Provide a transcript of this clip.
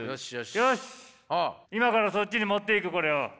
よし今からそっちに持っていくこれを。